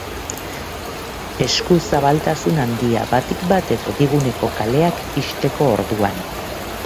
Eskuzabaltasun handia, batik bat erdiguneko kaleak ixteko orduan.